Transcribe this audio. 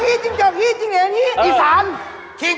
คล็อกจิ๊กจกจิ๊กเหรงจิ๊กเหรงจิ๊กเหรงจิ๊กเหรงจิ๊กเหรง